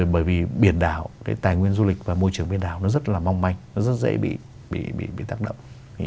bởi vì biển đảo cái tài nguyên du lịch và môi trường bên đảo nó rất là mong manh nó rất dễ bị tác động